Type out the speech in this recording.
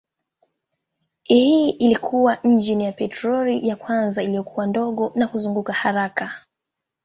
Hii ilikuwa injini ya petroli ya kwanza iliyokuwa ndogo na kuzunguka haraka.